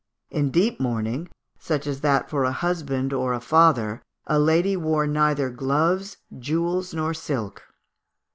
In deep mourning, such as that for a husband or a father, a lady wore neither gloves, jewels, nor silk.